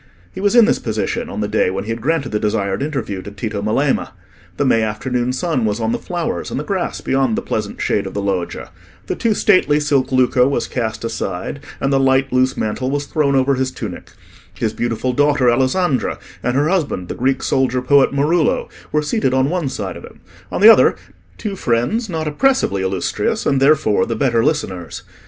He was in this position on the day when he had granted the desired interview to Tito Melema. The May afternoon sun was on the flowers and the grass beyond the pleasant shade of the loggia; the too stately silk lucco was cast aside, and the light loose mantle was thrown over his tunic; his beautiful daughter Alessandra and her husband, the Greek soldier poet Marullo, were seated on one side of him: on the other, two friends not oppressively illustrious, and therefore the better listeners.